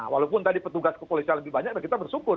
walaupun tadi petugas kepolisian lebih banyak dan kita bersyukur